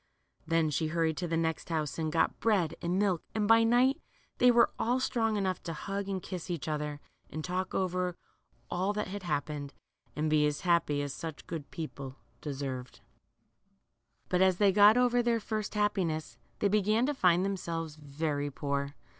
Then she hurried to the next house and got bread and milk, and by night they were all strong enough to hug and kiss each other, and talk over all that had happened, and be as happy as such good people deserved. 134 LITTLE CURLY. But as they got over their first happiness, they began to find themselves very poor.